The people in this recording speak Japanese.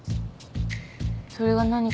それが何か？